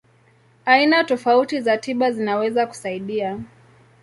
Aina tofauti za tiba zinaweza kusaidia.